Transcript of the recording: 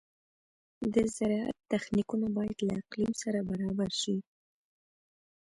د زراعت تخنیکونه باید له اقلیم سره برابر شي.